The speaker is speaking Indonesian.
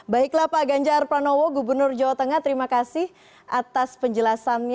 baiklah pak ganjar pranowo gubernur jawa tengah terima kasih atas penjelasannya yang lengkap ini